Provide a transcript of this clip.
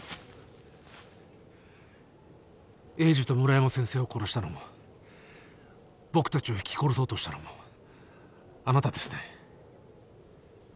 栄治と村山先生を殺したのも僕たちをひき殺そうとしたのもあなたですね？